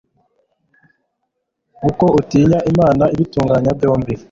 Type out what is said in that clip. kuko utinya imana, abitunganya byombi